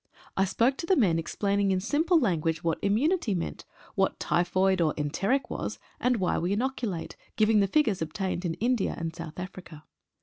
I spoke to the men, explaining in simple language what immunity meant, what typhoid or enteric was, and why we inoculate, giving the figures obtained in India and South Africa.